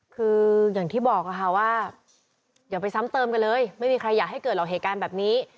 คืออย่างที่บอกค่ะว่าอย่าไปซ้ำเติมกันเลยไม่มีใครอยากให้เกิดหรอกเหตุการณ์แบบนี้